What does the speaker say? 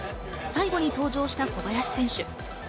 最後に登場した小林選手。